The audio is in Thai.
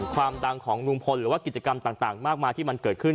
ความดังของลุงพลหรือว่ากิจกรรมต่างมากมายที่มันเกิดขึ้น